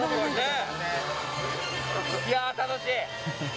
いやー、楽しい！